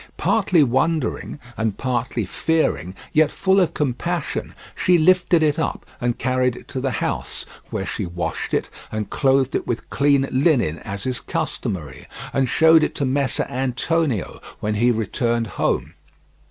Partly wondering and partly fearing, yet full of compassion, she lifted it up and carried it to the house, where she washed it and clothed it with clean linen as is customary, and showed it to Messer Antonio when he returned home.